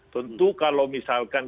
tentu kalau misalkan